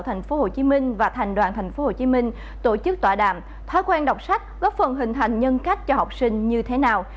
tp hcm và thành đoàn tp hcm tổ chức tọa đàm thói quen đọc sách góp phần hình thành nhân cách cho học sinh như thế nào